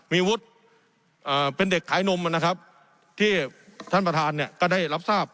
มีวุฒิเป็นเด็กขายนมนะครับที่ท่านประธานเนี่ยก็ได้รับทราบ